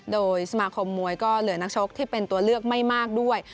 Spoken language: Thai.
โดยสมาคมมวยก็เหลือนักชกที่เป็นตัวเลือกไม่มากด้วย